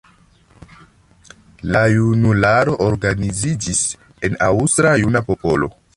La junularo organiziĝis en Aŭstra Juna Popolo.